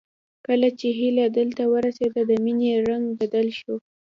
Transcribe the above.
کله چې هيله دلته ورسېده د مينې رنګ بدل شو